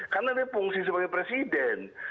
karena dia fungsi sebagai presiden